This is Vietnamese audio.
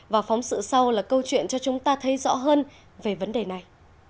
và phóng sự sau là câu chuyện cho chúng ta thấy rõ hơn về vấn đề này